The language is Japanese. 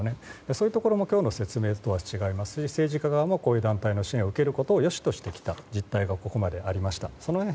そういうところも今日の説明とは違いますし政治家側も団体の支援を受けることをよしとしてきた実態がありました。